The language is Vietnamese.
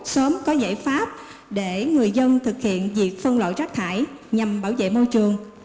sớm có giải pháp để người dân thực hiện việc phân loại rác thải nhằm bảo vệ môi trường